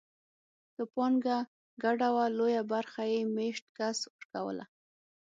که پانګه ګډه وه لویه برخه یې مېشت کس ورکوله.